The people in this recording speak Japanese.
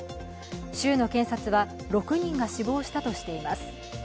州の警察は６人が死亡したとしています。